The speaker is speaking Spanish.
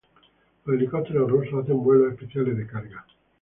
Los helicópteros rusos hacen vuelos especiales de carga.